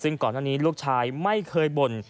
ซึ่งก่อนหน้านี้ลูกชายไม่เคยบ่น